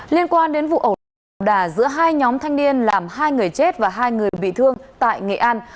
liên quan đến vụ ẩu đạc ậu đà giữa hai nhóm thanh niên làm hai người chết và hai người bị thương tại nghệ an